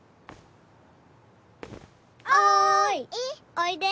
おいで。